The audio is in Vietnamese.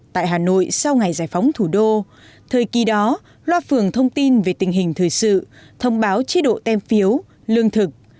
tại hà nội sau ngày giải phóng thủ đô thời kỳ đó loa phường thông tin về tình hình thời sự thông báo chế độ tem phiếu lương thực